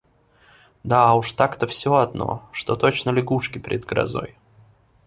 Да уж так-то всё одно, что точно лягушки перед грозой.